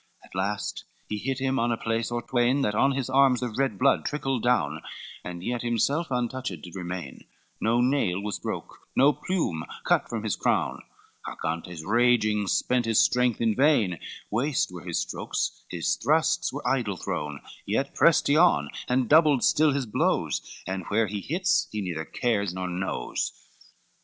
XCI At last he hit him on a place or twain, That on his arms the red blood trickled down, And yet himself untouched did remain, No nail was broke, no plume cut from his crown; Argantes raging spent his strength in vain, Waste were his strokes, his thrusts were idle thrown, Yet pressed he on, and doubled still his blows, And where he hits he neither cares nor knows.